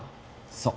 そう。